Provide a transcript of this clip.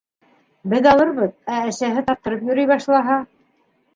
Беҙ алырбыҙ, ә әсәһе таптырып йөрөй башлаһа?